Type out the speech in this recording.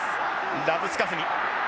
ラブスカフニ。